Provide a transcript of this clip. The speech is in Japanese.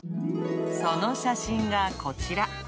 その写真がこちら。